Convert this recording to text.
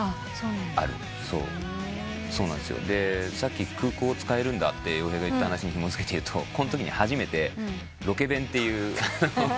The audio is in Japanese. でさっき「空港使えるんだ」って洋平が言った話にひも付けて言うとこんときに初めてロケ弁っていうお弁当。